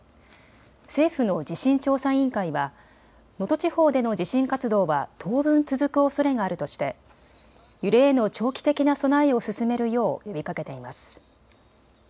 政府の地震調査委員会は能登地方での地震活動は当分、続くおそれがあるとして揺れへの長期的な備えを進めるよう呼びかけています。